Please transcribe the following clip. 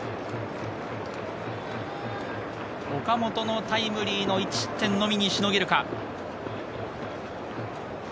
岡本のタイムリーの１失点のみにしのげるか？